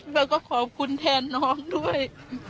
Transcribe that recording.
แล้วก็ขอบคุณแทนน้องด้วย